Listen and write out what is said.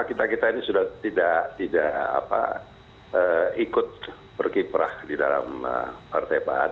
kita kita ini sudah tidak ikut berkiprah di dalam partai baru